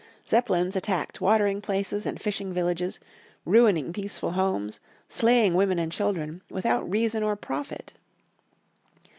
Zeppelins attacked watering places and fishing villages, ruining peaceful homes, slaying women and children, without reason or profit.